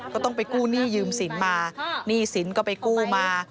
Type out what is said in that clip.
ก็ต้องไปกู้หนี้ยืมสินมาหนี้สินก็ไปกู้มา